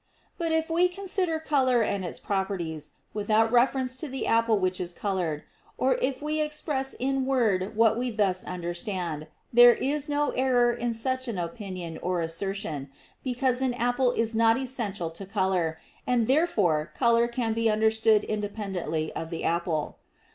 But if we consider color and its properties, without reference to the apple which is colored; or if we express in word what we thus understand, there is no error in such an opinion or assertion, because an apple is not essential to color, and therefore color can be understood independently of the apple.